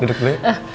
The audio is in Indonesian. duduk dulu ya